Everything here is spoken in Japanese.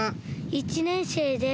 １年生です。